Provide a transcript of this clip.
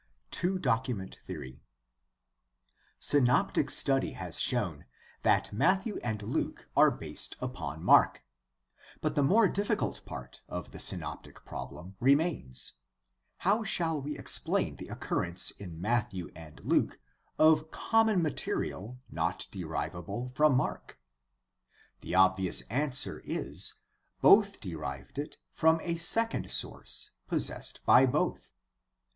Two document theory. — Synoptic study has shown that Matthew and Luke are based upon Mark. But the more difficult part of the synoptic problem remains. How shall we explain the occurrence in Matthew and Luke of common material not derivable from Mark? The obvious answer is, both derived it from a second source possessed by both.